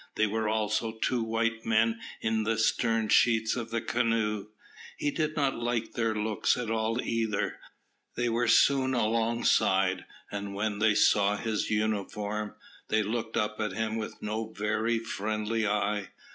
There were also two white men in the stern sheets of the canoe. He did not like their looks at all either. They were soon alongside, and when they saw his uniform, they looked up at him with no very friendly eye.